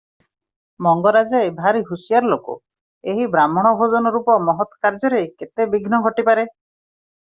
ମଙ୍ଗରାଜେ ଭାରିହୁସିଆର ଲୋକ ଏହି ବାହ୍ମଣ ଭୋଜନ ରୂପ ମହତ୍ କାର୍ଯ୍ୟରେ କେତେ ବିଘ୍ନ ଘଟିପାରେ ।